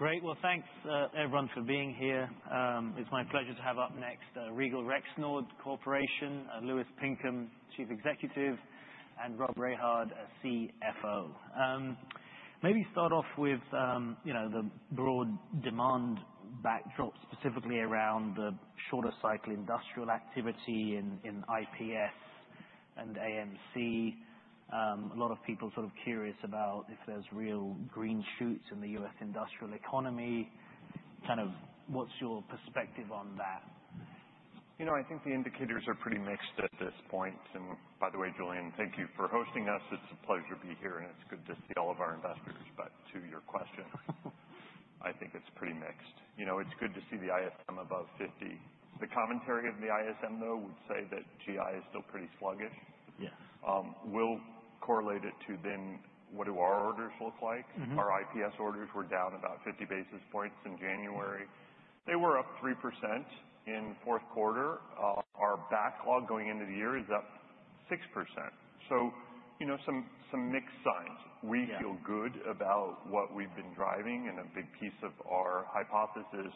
Great. Well, thanks, everyone for being here. It's my pleasure to have up next, Regal Rexnord Corporation, Louis Pinkham, Chief Executive, and Rob Rehard, our CFO. Maybe start off with, you know, the broad demand backdrop, specifically around the shorter cycle industrial activity in IPS and AMC. A lot of people sort of curious about if there's real green shoots in the U.S. industrial economy. Kind of what's your perspective on that? You know, I think the indicators are pretty mixed at this point. And by the way, Julian, thank you for hosting us. It's a pleasure to be here, and it's good to see all of our investors. But to your question, I think it's pretty mixed. You know, it's good to see the ISM above 50. The commentary of the ISM, though, would say that GI is still pretty sluggish. Yes. We'll correlate it to then what do our orders look like? Mm-hmm. Our IPS orders were down about 50 basis points in January. They were up 3% in fourth quarter. Our backlog going into the year is up 6%. So, you know, some mixed signs. Yeah. We feel good about what we've been driving, and a big piece of our hypothesis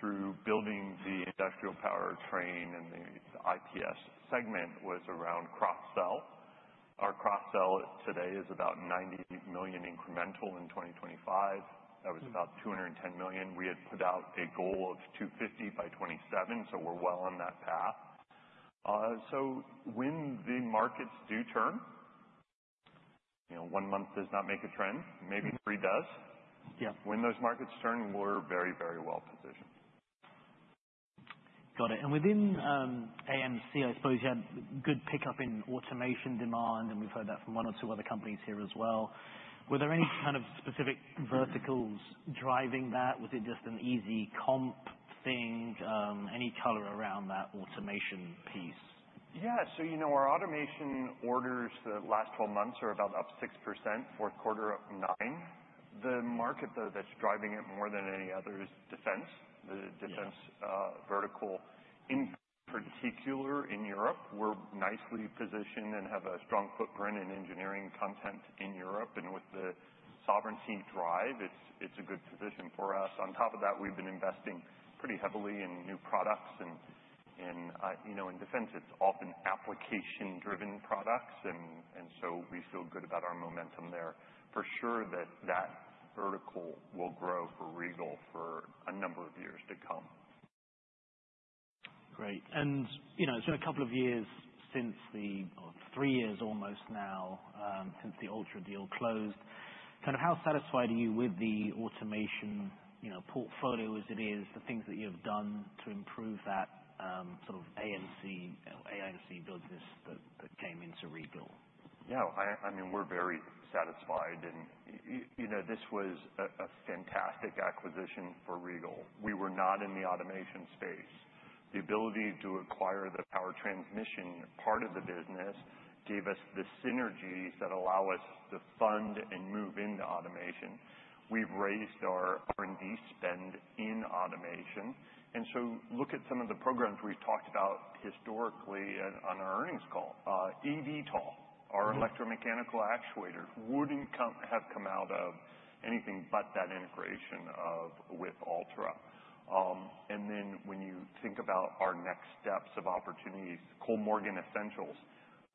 through building the industrial powertrain and the IPS segment was around cross sell. Our cross sell today is about $90 million incremental in 2025. Mm-hmm. That was about $210 million. We had put out a goal of $250 by 2027, so we're well on that path. So when the markets do turn, you know, one month does not make a trend. Mm-hmm. Maybe three does. Yeah. When those markets turn, we're very, very well positioned. Got it. And within, AMC, I suppose you had good pickup in automation demand, and we've heard that from one or two other companies here as well. Were there any kind of specific verticals driving that? Was it just an easy comp thing? Any color around that automation piece? Yeah. So, you know, our automation orders the last 12 months are about up 6%, fourth quarter, up 9%. The market, though, that's driving it more than any other is defense. Yeah. The defense vertical, in particular in Europe. We're nicely positioned and have a strong footprint in engineering content in Europe, and with the sovereignty drive, it's a good position for us. On top of that, we've been investing pretty heavily in new products and, you know, in defense, it's often application-driven products, and so we feel good about our momentum there. For sure, that vertical will grow for Regal for a number of years to come. Great. And, you know, it's been a couple of years since the... Three years almost now, since the Altra deal closed. Kind of how satisfied are you with the automation, you know, portfolio as it is, the things that you've done to improve that, sort of AMC, AMC business that, that came into Regal? Yeah. I mean, we're very satisfied, and you know, this was a fantastic acquisition for Regal. We were not in the automation space. The ability to acquire the power transmission part of the business gave us the synergies that allow us to fund and move into automation. We've raised our R&D spend in automation, and so look at some of the programs we've talked about historically on our earnings call. eVTOL, our electromechanical actuator, wouldn't have come out of anything but that integration with Altra. And then when you think about our next steps of opportunities, Kollmorgen Essentials.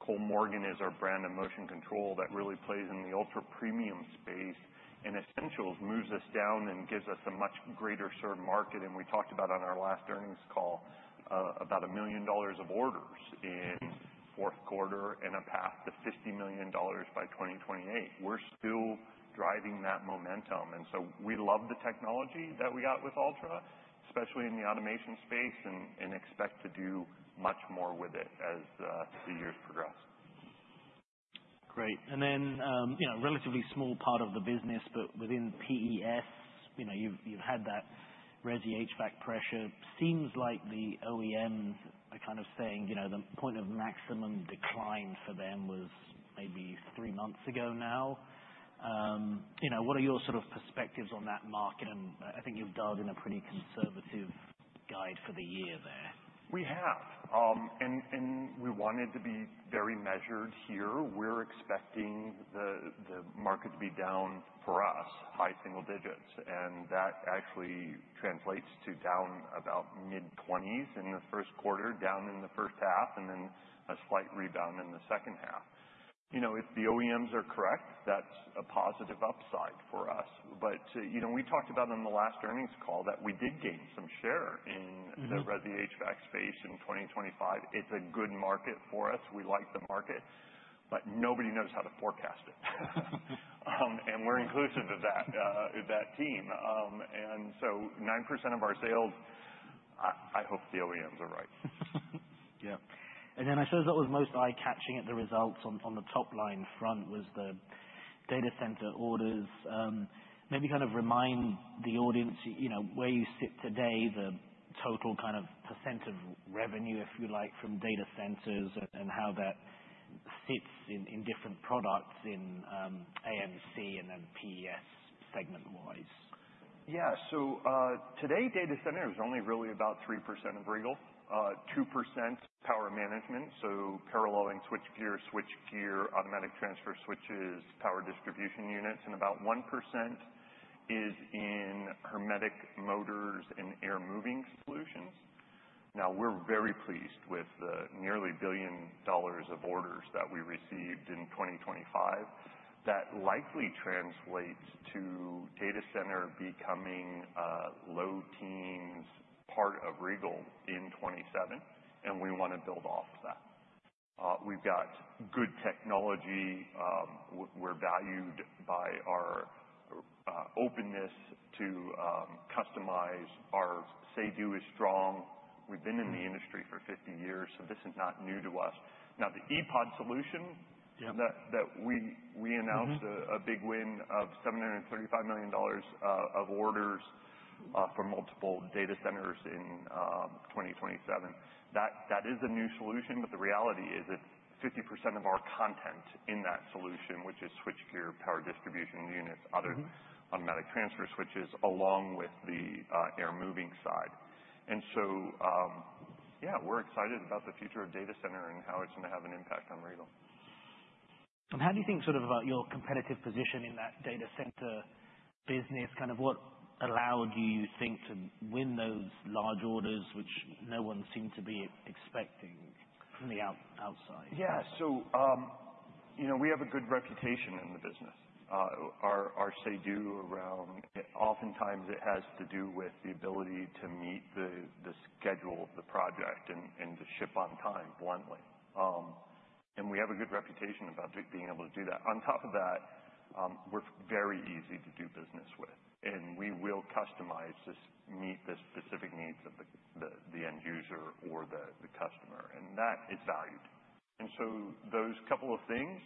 Kollmorgen is our brand and motion control that really plays in the ultra-premium space, and Essentials moves us down and gives us a much greater served market. We talked about on our last earnings call about $1 million of orders in fourth quarter and a path to $50 million by 2028. We're still driving that momentum, and so we love the technology that we got with Altra, especially in the automation space, and expect to do much more with it as the years progress. Great. You know, relatively small part of the business, but within PES, you know, you've had that resi HVAC pressure. Seems like the OEMs are kind of saying, you know, the point of maximum decline for them was maybe three months ago now. You know, what are your sort of perspectives on that market? I think you've dialed in a pretty conservative guide for the year there. We have and we wanted to be very measured here. We're expecting the market to be down, for us, high single digits, and that actually translates to down about mid-20s in the first quarter, down in the first half, and then a slight rebound in the second half. You know, if the OEMs are correct, that's a positive upside for us. But, you know, we talked about in the last earnings call that we did gain some share in- Mm-hmm the resi HVAC space in 2025. It's a good market for us. We like the market, but nobody knows how to forecast it. And we're inclusive of that, of that team. And so 9% of our sales, I hope the OEMs are right. Yeah. And then I suppose what was most eye-catching at the results on the top line front was the data center orders. Maybe kind of remind the audience, you know, where you sit today, the total kind of percent of revenue, if you like, from data centers, and how that fits in different products in AMC and then PES segment-wise. Yeah. Today, data center is only really about 3% of Regal. 2% power management, so paralleling switchgear, switchgear, automatic transfer switches, power distribution units, and about 1% is in hermetic motors and air moving solutions. Now, we're very pleased with the nearly $1 billion of orders that we received in 2025. That likely translates to data center becoming a low teens part of Regal in 2027, and we wanna build off that. We've got good technology. We're valued by our openness to customize. Our say-do is strong. We've been in the industry for 50 years, so this is not new to us. Now, the ePOD solution- Yeah. that we announced Mm-hmm. -a big win of $735 million of orders for multiple data centers in 2027. That is a new solution, but the reality is that 50% of our content in that solution, which is switchgear, power distribution units- Mm-hmm. other automatic transfer switches, along with the air moving side. And so, yeah, we're excited about the future of data center and how it's gonna have an impact on Regal. How do you think sort of about your competitive position in that data center business? Kind of what allowed, do you think, to win those large orders, which no one seemed to be expecting from the outside? Yeah. You know, we have a good reputation in the business. Our say-do around... oftentimes it has to do with the ability to meet the schedule of the project and to ship on time, bluntly. We have a good reputation about being able to do that. On top of that, we're very easy to do business with, and we will customize to meet the specific needs of the end user or the customer, and that is valued. Those couple of things,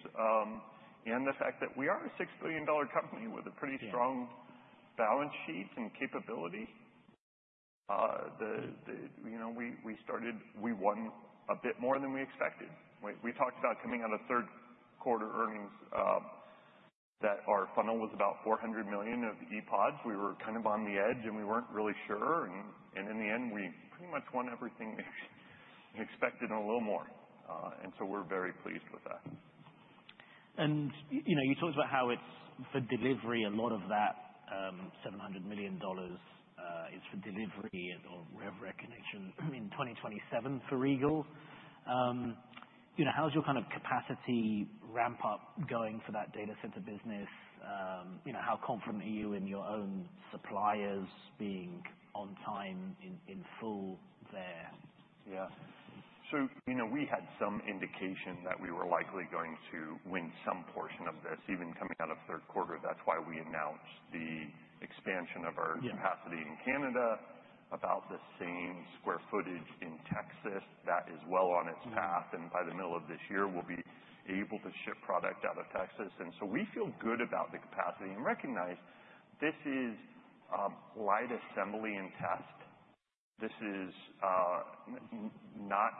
and the fact that we are a $6 billion company with a pretty- Yeah strong balance sheet and capability. You know, we won a bit more than we expected. We talked about coming out of third quarter earnings, that our funnel was about $400 million of ePODs. We were kind of on the edge, and we weren't really sure, and in the end, we pretty much won everything we expected and a little more. And so we're very pleased with that. You know, you talked about how it's the delivery, a lot of that, $700 million, is for delivery or rev recognition in 2027 for Regal. You know, how's your kind of capacity ramp up going for that data center business? You know, how confident are you in your own suppliers being on time, in, in full there? Yeah. So, you know, we had some indication that we were likely going to win some portion of this, even coming out of third quarter. That's why we announced the expansion of our- Yeah -capacity in Canada, about the same square footage in Texas. That is well on its path. Mm. By the middle of this year, we'll be able to ship product out of Texas. So we feel good about the capacity and recognize this is light assembly and test. This is not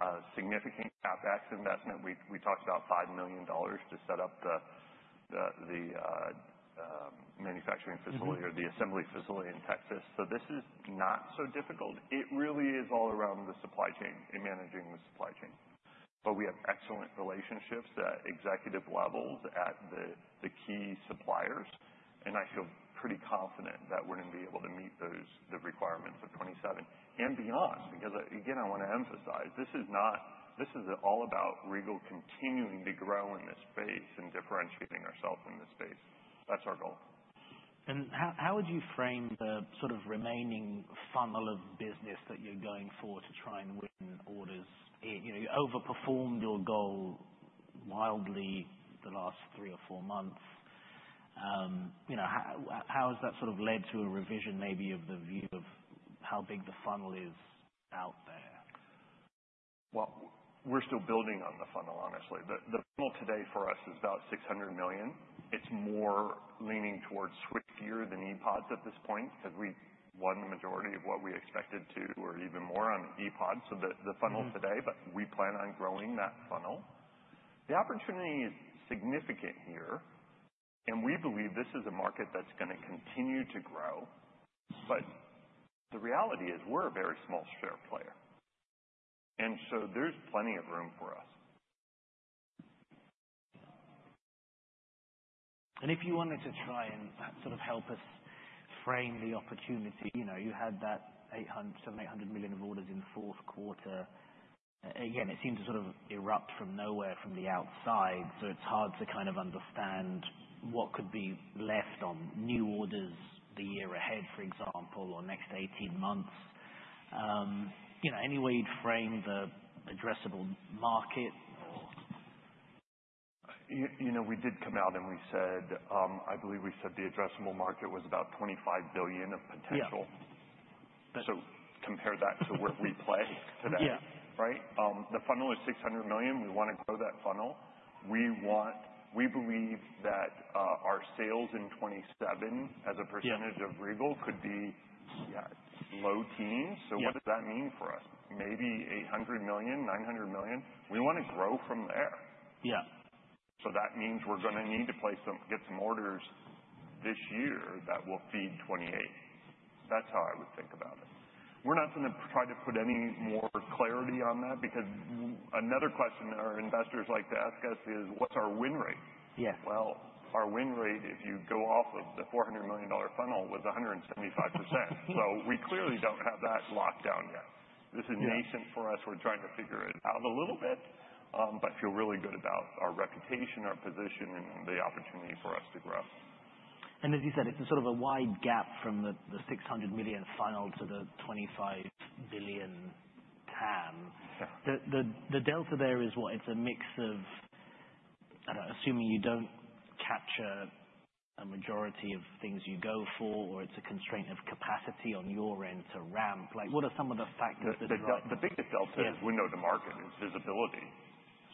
a significant CapEx investment. We talked about $5 million to set up the manufacturing facility- Mm-hmm for the assembly facility in Texas. So this is not so difficult. It really is all around the supply chain and managing the supply chain. But we have excellent relationships at executive levels, at the, the key suppliers, and I feel pretty confident that we're gonna be able to meet those, the requirements of 2027 and beyond. Because, again, I want to emphasize, this is not- this is all about Regal continuing to grow in this space and differentiating ourselves in this space. That's our goal. How would you frame the sort of remaining funnel of business that you're going for to try and win orders? You know, you overperformed your goal wildly the last three or four months. You know, how has that sort of led to a revision, maybe of the view of how big the funnel is out there? Well, we're still building on the funnel, honestly. The funnel today for us is about $600 million. It's more leaning towards switchgear than ePODs at this point, because we won the majority of what we expected to, or even more on ePOD, so the funnel- Mm. today, but we plan on growing that funnel. The opportunity is significant here, and we believe this is a market that's gonna continue to grow. But the reality is we're a very small share player, and so there's plenty of room for us. If you wanted to try and sort of help us frame the opportunity, you know, you had that $878 million of orders in the fourth quarter. Again, it seemed to sort of erupt from nowhere from the outside, so it's hard to kind of understand what could be left on new orders the year ahead, for example, or next 18 months. You know, any way you'd frame the addressable market or? You, you know, we did come out, and we said, I believe we said the addressable market was about $25 billion of potential. Yeah. Compare that to where we play today. Yeah. Right? The funnel is $600 million. We wanna grow that funnel. We believe that, our sales in 2027 as a percentage- Yeah of Regal could be, yeah, low teens. Yeah. What does that mean for us? Maybe $800 million-$900 million. We wanna grow from there. Yeah. So that means we're gonna need to get some orders this year that will feed 28.... That's how I would think about it. We're not gonna try to put any more clarity on that, because another question our investors like to ask us is: What's our win rate? Yes. Well, our win rate, if you go off of the $400 million funnel, was 175%. So we clearly don't have that locked down yet. Yeah. This is nascent for us. We're trying to figure it out a little bit, but feel really good about our reputation, our position, and the opportunity for us to grow. As you said, it's a sort of a wide gap from the $600 million funnel to the $25 billion TAM. Yeah. The delta there is what? It's a mix of... I don't know, assuming you don't capture a majority of things you go for, or it's a constraint of capacity on your end to ramp. Like, what are some of the factors that are- The biggest delta- Yeah. We know the market is visibility.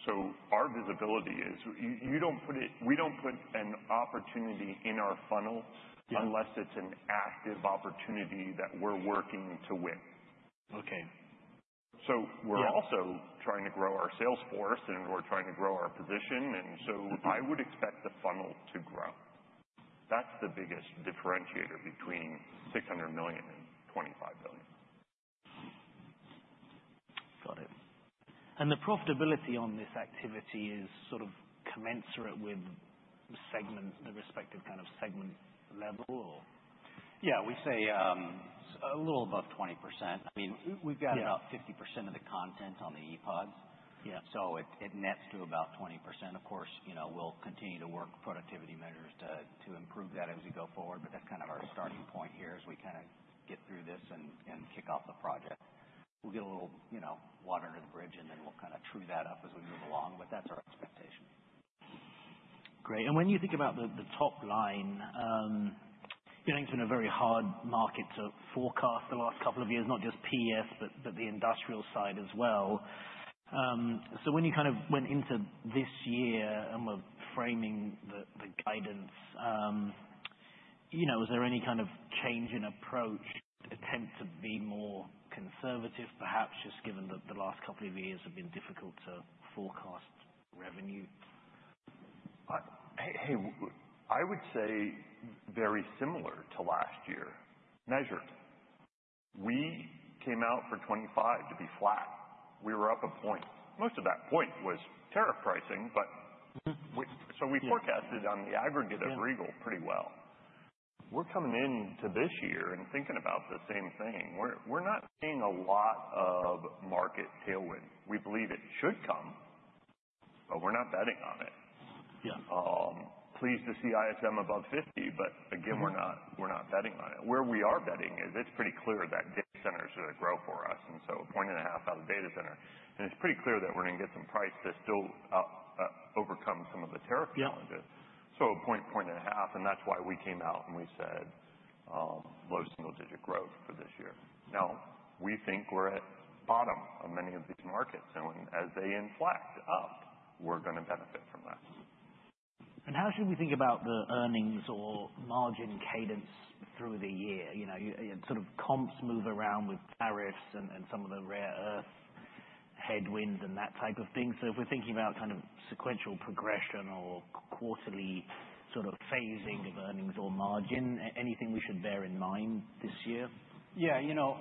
So our visibility is, you don't put it, we don't put an opportunity in our funnel. Yeah -unless it's an active opportunity that we're working to win. Okay. Yeah. So we're also trying to grow our sales force, and we're trying to grow our position, and so I would expect the funnel to grow. That's the biggest differentiator between $600 million and $25 billion. Got it. And the profitability on this activity is sort of commensurate with the segment, the respective kind of segment level, or? Yeah, we say a little above 20%. I mean- Yeah... we've got about 50% of the content on the ePODs. Yeah. So it nets to about 20%. Of course, you know, we'll continue to work productivity measures to improve that as we go forward, but that's kind of our starting point here, as we kind of get through this and kick off the project. We'll get a little, you know, water under the bridge, and then we'll kind of true that up as we move along, but that's our expectation. Great. When you think about the, the top line, getting to know a very hard market to forecast the last couple of years, not just PES, but the industrial side as well. When you kind of went into this year, and were framing the, the guidance, you know, was there any kind of change in approach, attempt to be more conservative, perhaps, just given that the last couple of years have been difficult to forecast revenue? I would say very similar to last year, measured. We came out for 2025 to be flat. We were up a point. Most of that point was tariff pricing, but- Mm-hmm. So we forecasted. Yeah On the aggregate of Regal pretty well. We're coming into this year and thinking about the same thing. We're not seeing a lot of market tailwind. We believe it should come, but we're not betting on it. Yeah. Pleased to see ISM above 50, but again- Mm-hmm... we're not betting on it. Where we are betting is, it's pretty clear that data centers are gonna grow for us, and so 1.5 points out of data center. It's pretty clear that we're gonna get some price that still overcome some of the tariff challenges. Yeah. So 1 point, 1.5, and that's why we came out and we said low single-digit growth for this year. Now, we think we're at bottom of many of these markets, and as they inflate up, we're gonna benefit from that. How should we think about the earnings or margin cadence through the year? You know, and sort of comps move around with tariffs and, and some of the rare earths headwind and that type of thing. So if we're thinking about kind of sequential progression or quarterly sort of phasing of earnings or margin, anything we should bear in mind this year? Yeah, you know,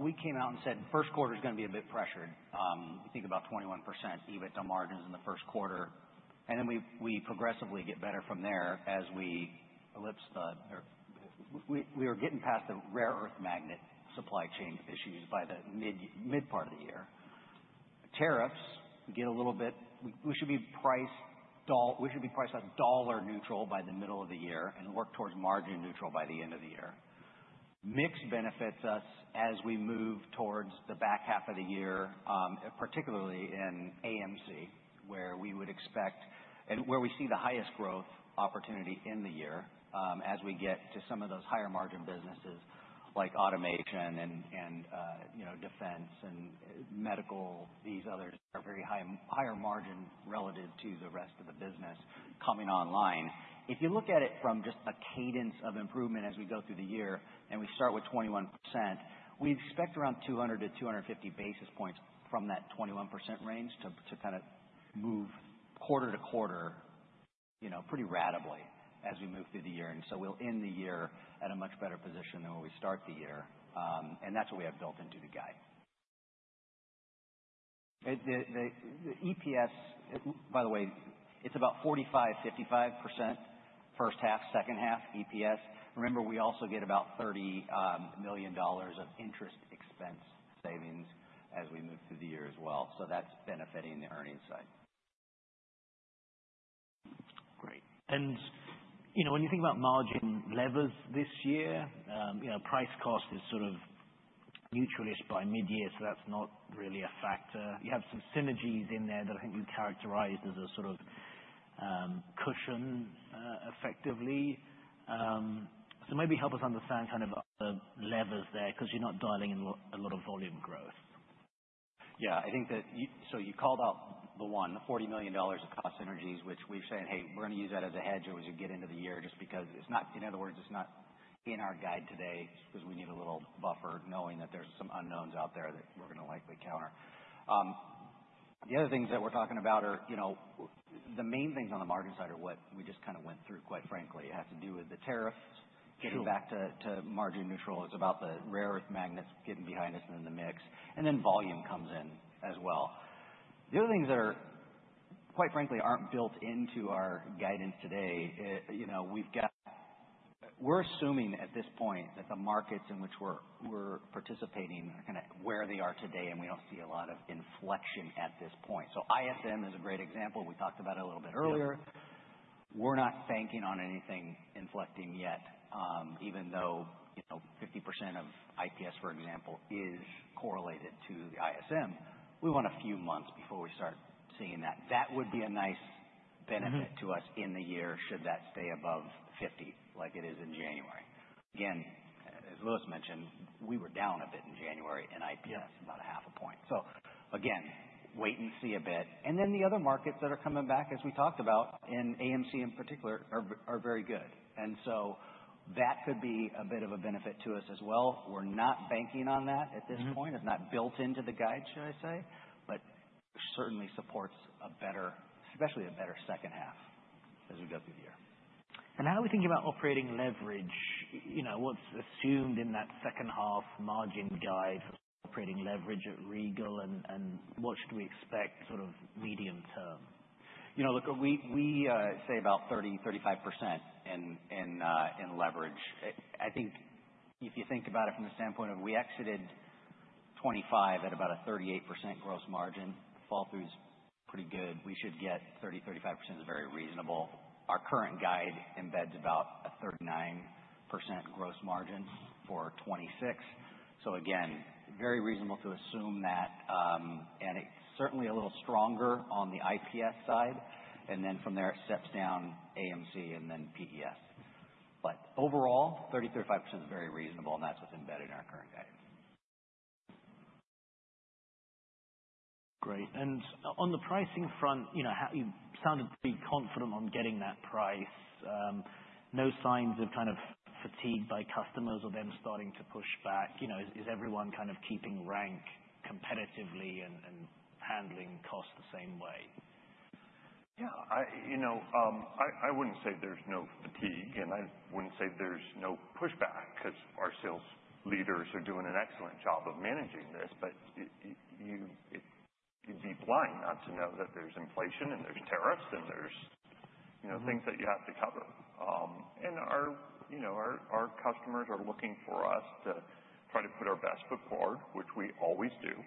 we came out and said first quarter's gonna be a bit pressured. We think about 21% EBITDA margins in the first quarter, and then we progressively get better from there as we ellipse the... Or we are getting past the rare earth magnet supply chain issues by the mid part of the year. Tariffs, we get a little bit. We should be priced dollar neutral by the middle of the year and work towards margin neutral by the end of the year. Mix benefits us as we move towards the back half of the year, particularly in AMC, where we would expect, and where we see the highest growth opportunity in the year, as we get to some of those higher margin businesses like automation and, you know, defense and medical. These others are very high, higher margin relative to the rest of the business coming online. If you look at it from just a cadence of improvement as we go through the year, and we start with 21%, we expect around 200-250 basis points from that 21% range to kind of move quarter to quarter, you know, pretty ratably as we move through the year. And so we'll end the year at a much better position than when we start the year. And that's what we have built into the guide. The EPS, by the way, it's about 45%-55% first half, second half EPS. Remember, we also get about $30 million of interest expense savings as we move through the year as well. So that's benefiting the earnings side. Great. You know, when you think about margin levers this year, you know, price cost is sort of neutralish by midyear, so that's not really a factor. You have some synergies in there that I think you characterized as a sort of, cushion, effectively. So maybe help us understand kind of the levers there, 'cause you're not dialing in a lot of volume growth. Yeah, I think that you, so you called out the one, the $40 million of cost synergies, which we've said, "Hey, we're gonna use that as a hedge as we get into the year," just because it's not... In other words, it's not in our guide today, just 'cause we need a little buffer, knowing that there's some unknowns out there that we're gonna likely counter. The other things that we're talking about are, you know, the main things on the margin side are what we just kind of went through, quite frankly. It has to do with the tariffs. Getting back to, to margin neutral is about the rare earth magnets getting behind us and in the mix, and then volume comes in as well. The other things that, quite frankly, aren't built into our guidance today, you know, we've got-- We're assuming at this point that the markets in which we're participating are kind of where they are today, and we don't see a lot of inflection at this point. ISM is a great example. We talked about it a little bit earlier. We're not banking on anything inflecting yet, even though, you know, 50% of IPS, for example, is correlated to the ISM. We want a few months before we start seeing that. That would be a nice benefit to us in the year, should that stay above 50 like it is in January. Again, as Louis mentioned, we were down a bit in January, in IPS, about half a point. Again, wait and see a bit. And then the other markets that are coming back, as we talked about in AMC in particular, are very good. And so that could be a bit of a benefit to us as well. We're not banking on that at this point. It's not built into the guide, should I say, but certainly supports a better... especially a better second half as we go through the year. How are we thinking about operating leverage? You know, what's assumed in that second half margin guide, operating leverage at Regal, and what should we expect sort of medium term? You know, look, we say about 30%-35% in leverage. I think if you think about it from the standpoint of we exited 2025 at about a 38% gross margin, fall through is pretty good. We should get 30%-35% is very reasonable. Our current guide embeds about a 39% gross margin for 2026. So again, very reasonable to assume that, and it's certainly a little stronger on the IPS side, and then from there, it steps down AMC and then PDS. But overall, 30%-35% is very reasonable, and that's what's embedded in our current guidance. Great. And on the pricing front, you know, how you sounded pretty confident on getting that price. No signs of kind of fatigue by customers or them starting to push back. You know, is everyone kind of keeping rank competitively and handling costs the same way? Yeah, I, you know, I wouldn't say there's no fatigue, and I wouldn't say there's no pushback, 'cause our sales leaders are doing an excellent job of managing this. You'd be blind not to know that there's inflation and there's tariffs, and there's things that you have to cover. You know, our customers are looking for us to try to put our best foot forward, which we always do.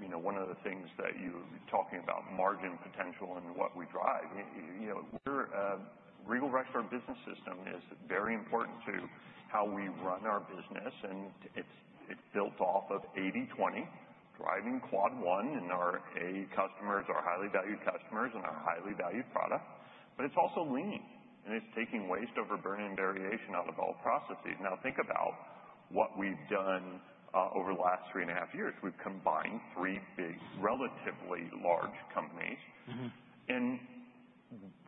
You know, one of the things that you're talking about, margin potential and what we drive, you know, we're, Regal Rexnord Business System is very important to how we run our business, and it's built off of 80/20, driving Quad 1, and our A customers are highly valued customers and are highly valued products. It's also lean, and it's taking waste over burning variation out of all processes. Now, think about what we've done over the last three and a half years. We've combined three big, relatively large companies. Mm-hmm.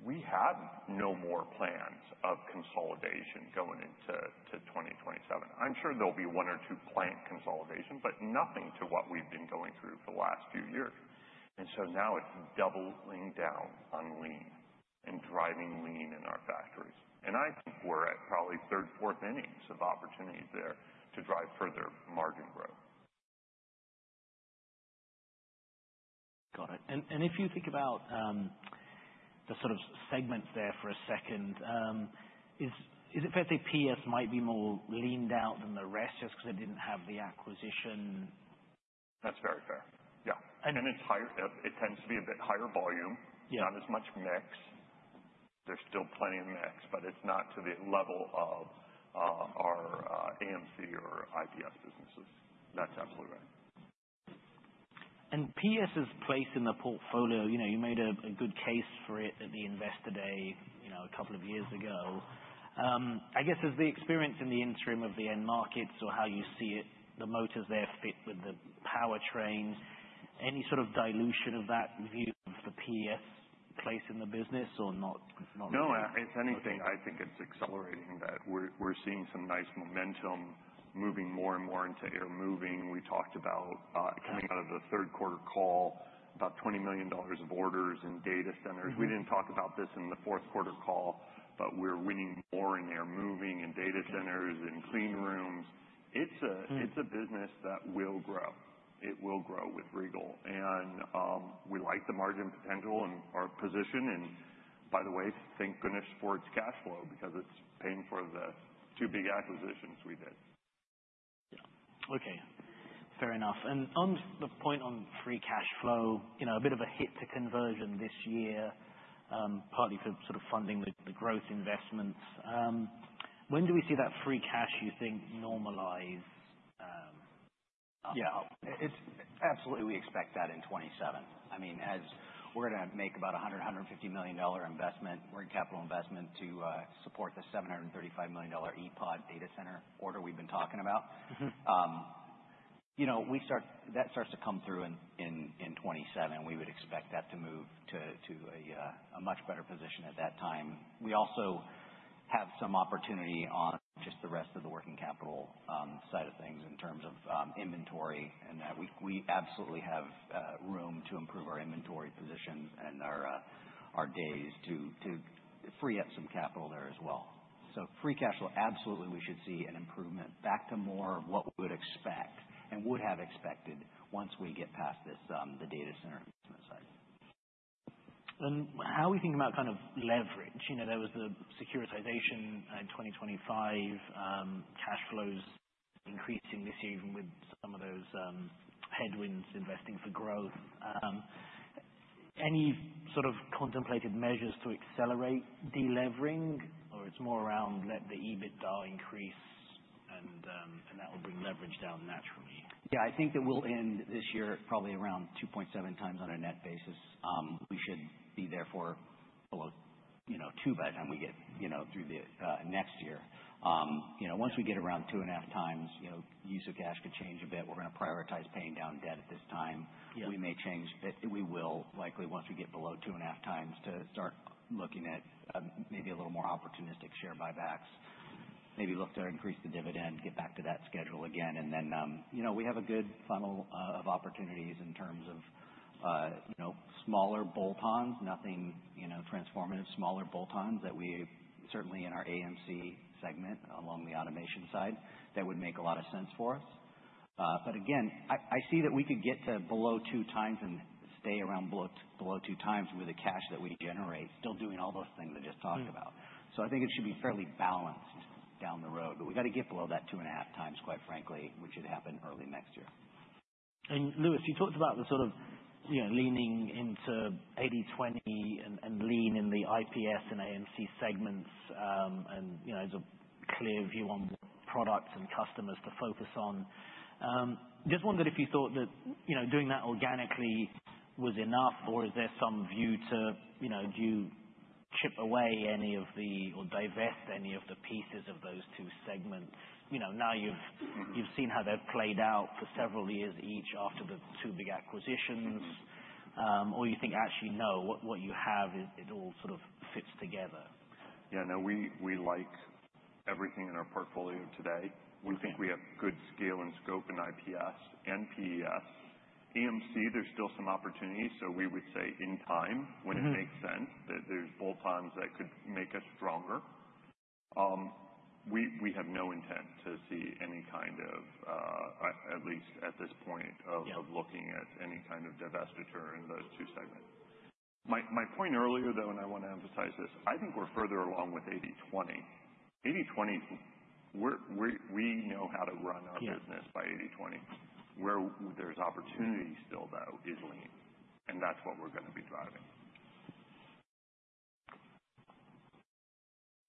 We have no more plans of consolidation going into, to 2027. I'm sure there'll be one or two plant consolidation, but nothing to what we've been going through for the last few years. And so now it's doubling down on lean and driving lean in our factories. And I think we're at probably third, fourth innings of opportunities there to drive further margin growth. Got it. And if you think about the sort of segments there for a second, is it fair to say PES might be more leaned out than the rest, just because it didn't have the acquisition? That's very fair. Yeah. And- It's higher... It tends to be a bit higher volume. Yeah. Not as much mix. There's still plenty of mix, but it's not to the level of, our, AMC or IPS businesses. That's absolutely right. PES's place in the portfolio, you know, you made a, a good case for it at the Investor Day, you know, a couple of years ago. I guess as the experience in the interim of the end markets or how you see it, the motors there fit with the powertrains, any sort of dilution of that view of the PES place in the business or not? It's not- No, if anything, I think it's accelerating that. We're seeing some nice momentum moving more and more into air moving. We talked about coming out of the third quarter call, about $20 million of orders in data centers. Mm-hmm. We didn't talk about this in the fourth quarter call, but we're winning more in air moving, in data centers, in clean rooms. It's a- Mm. It's a business that will grow. It will grow with Regal. And, we like the margin potential and our position, and by the way, thank goodness for its cash flow, because it's paying for the two big acquisitions we did. Yeah. Okay, fair enough. And on the point on free cash flow, you know, a bit of a hit to conversion this year, partly for sort of funding the growth investments. When do we see that free cash, you think, normalize? Yeah. It's absolutely, we expect that in 2027. I mean, as we're gonna make about $150 million dollar investment, we're in capital investment to support the $735 million ePOD data center order we've been talking about. Mm-hmm. You know, we start... That starts to come through in 2027... expect that to move to a much better position at that time. We also have some opportunity on just the rest of the working capital, side of things in terms of inventory, and that we absolutely have room to improve our inventory position and our days to free up some capital there as well. So free cash flow, absolutely, we should see an improvement back to more of what we would expect and would have expected once we get past this, the data center investment side. How are we thinking about kind of leverage? You know, there was the securitization in 2025, cash flows increasing this year, even with some of those headwinds, investing for growth. Any sort of contemplated measures to accelerate delevering, or it's more around let the EBITDA increase and that will bring leverage down naturally? Yeah, I think that we'll end this year at probably around 2.7x on a net basis. We should be therefore below, you know, two by the time we get, you know, through the next year. You know, once we get around 2.5x, you know, use of cash could change a bit. We're gonna prioritize paying down debt at this time. Yeah. We may change, but we will likely, once we get below 2.5x, start looking at maybe a little more opportunistic share buybacks, maybe look to increase the dividend, get back to that schedule again. You know, we have a good funnel of opportunities in terms of, you know, smaller bolt-ons, nothing, you know, transformative. Smaller bolt-ons that we certainly in our AMC segment, along the automation side, that would make a lot of sense for us. Again, I see that we could get to below 2x and stay around below, below 2x with the cash that we generate, still doing all those things I just talked about. Mm. I think it should be fairly balanced down the road, but we've got to get below that 2.5x, quite frankly, which should happen early next year. Louis, you talked about the sort of, you know, leaning into 80/20 and lean in the IPS and AMC segments. And you know, as a clear view on the products and customers to focus on. Just wondered if you thought that, you know, doing that organically was enough, or is there some view to, you know, do you chip away any of the... or divest any of the pieces of those two segments? You know, now you've seen how they've played out for several years, each after the two big acquisitions. Or you think actually, no, what you have is it all sort of fits together? Yeah, no, we like everything in our portfolio today. Yeah. We think we have good scale and scope in IPS and PES. AMC, there's still some opportunities, so we would say in time- Mm-hmm. -when it makes sense, that there's bolt-ons that could make us stronger. We, we have no intent to see any kind of, at least at this point- Yeah... of looking at any kind of divestiture in those two segments. My point earlier, though, and I want to emphasize this: I think we're further along with 80/20. 80/20, we know how to run our business- Yeah -by 80/20. Where there's opportunity still, though, is Lean, and that's what we're gonna be driving.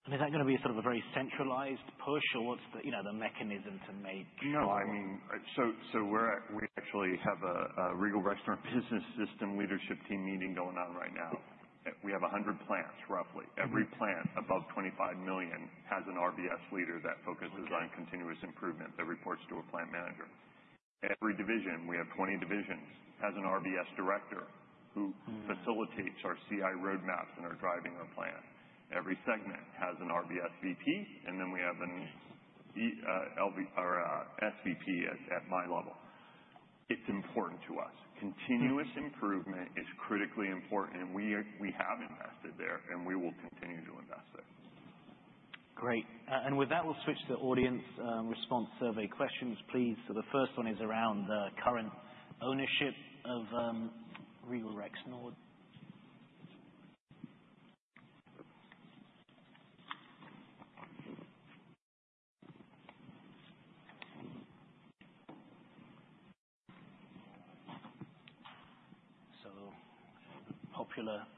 Is that gonna be sort of a very centralized push, or what's the, you know, the mechanism to make? No, I mean, so, so we're at, we actually have a, a Regal Rexnord Business System leadership team meeting going on right now. We have 100 plants, roughly. Mm-hmm. Every plant above $25 million has an RBS leader that focuses on- Okay. -continuous improvement, that reports to a plant manager. Every division, we have 20 divisions, has an RBS director who- Mm. -facilitates our CI roadmaps and are driving our plan. Every segment has an RBS VP, and then we have an EVP or SVP at my level. It's important to us. Mm. Continuous improvement is critically important, and we have invested there, and we will continue to invest there. Great. And with that, we'll switch to audience response survey questions, please. So the first one is around the current ownership of Regal Rexnord. So popular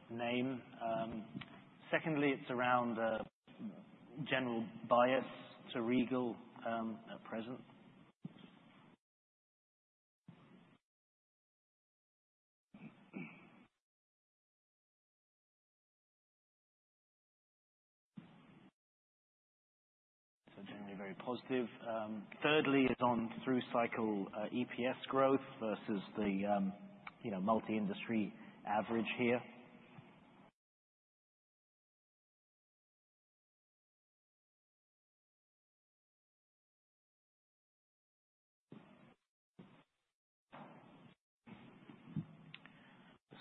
name. Secondly, it's around the general bias to Regal at present. So generally very positive. Thirdly is on through cycle EPS growth versus the, you know, multi-industry average here.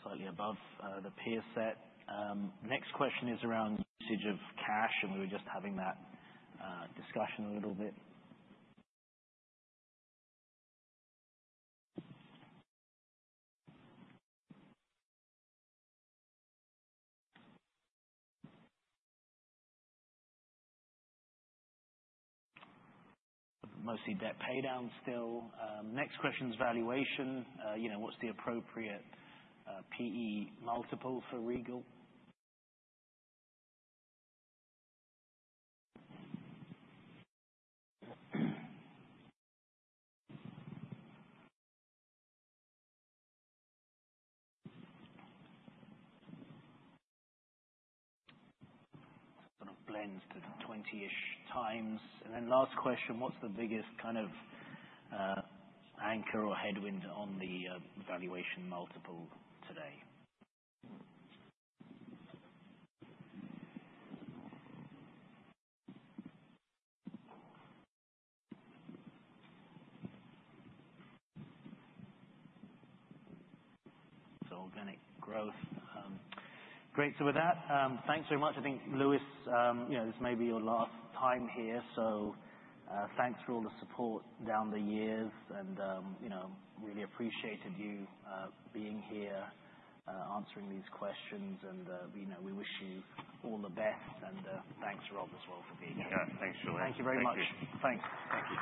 Slightly above the peer set. Next question is around usage of cash, and we were just having that discussion a little bit. Mostly debt paydown still. Next question is valuation. You know, what's the appropriate PE multiple for Regal? Sort of blends to 20-ish times. And then last question, what's the biggest kind of anchor or headwind on the valuation multiple today? It's organic growth. Great. So with that, thanks very much. I think, Louis, you know, this may be your last time here, so, thanks for all the support down the years and, you know, really appreciated you being here, answering these questions. And, you know, we wish you all the best, and, thanks, Rob, as well, for being here. Yeah. Thanks, Louis. Thank you very much. Thank you. Thanks. Thank you.